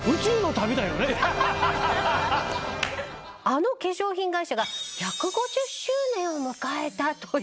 あの化粧品会社が１５０周年を迎えたということで。